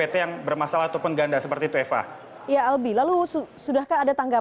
dan ke satu riset